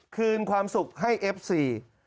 คืนความสุขให้เอฟซี